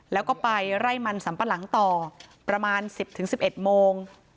แล้วก็ไปไล่มันสัมปะหลังต่อประมาณ๑๐๑๑โมง